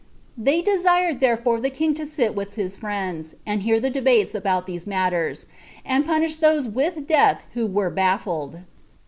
They desired therefore the king to sit with his friends, and hear the debates about these matters, and punish those with death who were baffled.